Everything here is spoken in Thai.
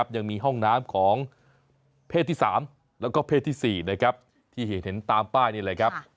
ยังมีห้องน้ำของเพศที่๓แล้วก็เพศที่๔ที่เห็นตามป้ายนี่แหละครับ